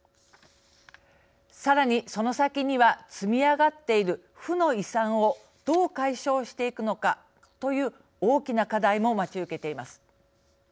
さらにその先には積み上がっている負の遺産をどう解消していくのかという大きな課題も待ち受けています。